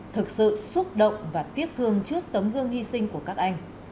thực sự xúc động và tiếc thương trước tấm gương hy sinh của các anh